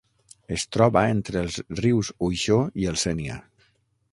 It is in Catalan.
Es troba entre els rius Uixó i el Sénia.